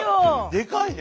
でかいね。